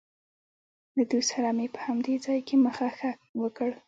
له دوی سره مې په همدې ځای کې مخه ښه وکړ.